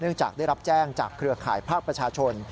จากได้รับแจ้งจากเครือข่ายภาคประชาชน